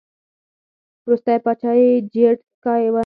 وروستی پاچا یې جیډ سکای و